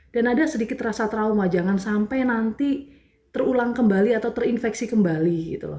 dan ada sedikit rasa trauma jangan sampai nanti terulang kembali atau terinfeksi kembali